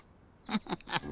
ハハハッ。